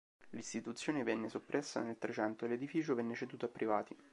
L'istituzione venne soppressa nel Trecento e l'edificio venne ceduto a privati.